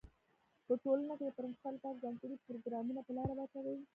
په ټولنه کي د پرمختګ لپاره ځانګړي پروګرامونه په لاره واچوی.